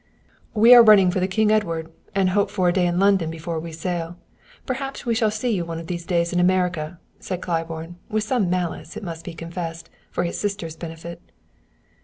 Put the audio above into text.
"We are running for the King Edward, and hope for a day in London before we sail. Perhaps we shall see you one of these days in America," said Claiborne, with some malice, it must be confessed, for his sister's benefit.